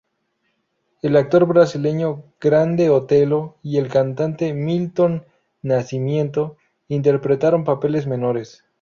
El actor brasileño Grande Otelo y el cantante Milton Nascimento interpretaron papeles menores.